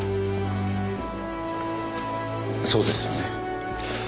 そうですよね。